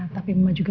tapi mama juga